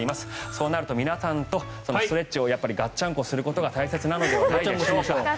そうなると皆さんとストレッチをガッチャンコすることが大切なのではないでしょうか。